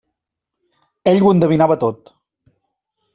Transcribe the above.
Ell ho endevinava tot.